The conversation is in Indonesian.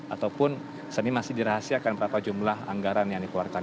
ataupun seni masih dirahasiakan berapa jumlah anggaran yang dikeluarkan